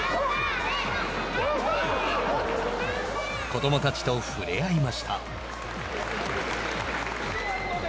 子どもたちと触れ合いました。